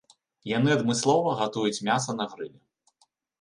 Яны адмыслова гатуюць мяса на грылі.